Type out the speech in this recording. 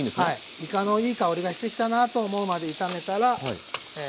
いかのいい香りがしてきたなと思うまで炒めたらえ